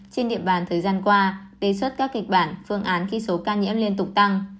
trên địa bàn thời gian qua đề xuất các kịch bản phương án khi số ca nhiễm liên tục tăng